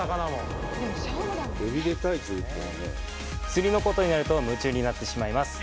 釣りのことになると夢中になってしまいます。